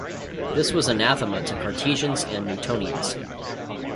This was anathema to Cartesians and Newtonians.